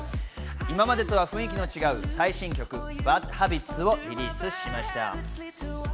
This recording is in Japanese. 今までとは雰囲気の違う最新曲『ＢａｄＨａｂｉｔｓ』をリリースしました。